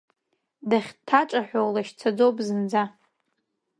Дахьҭаҿаҳәоу лашьцаӡоуп зынӡа…